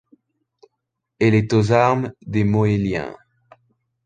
Elle est aux armes des Moëlliens.